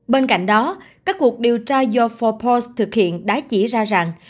bên cạnh đó các cuộc điều tra do forbos thực hiện đã chỉ ra rằng